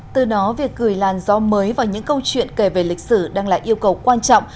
từ đó việc gửi làn gió mới vào những câu chuyện kể về lịch sử đang là yêu cầu quan trọng